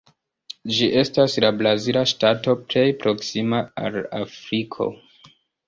Ĝi estas la brazila ŝtato plej proksima al Afriko.